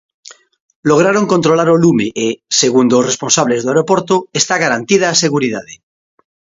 Lograron controlar o lume e, segundo os responsables do aeroporto, está garantida a seguridade.